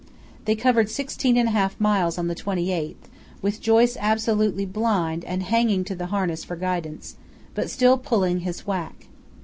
They covered 16½ miles on the 28th, with Joyce absolutely blind and hanging to the harness for guidance, "but still pulling his whack."